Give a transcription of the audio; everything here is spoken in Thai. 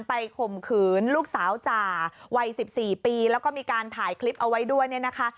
ข่มขืนลูกสาวจ่าวัย๑๔ปีแล้วก็มีการถ่ายคลิปเอาไว้ด้วยเนี่ยนะคะ